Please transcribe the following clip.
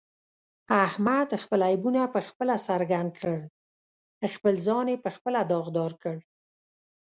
احمد خپل عیبونه په خپله څرګند کړل، خپل ځان یې په خپله داغدارکړ.